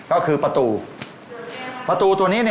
โอ้โฮ